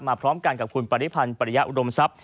มาพร้อมกันกับคุณปริพันธ์ปริยะบรมซับ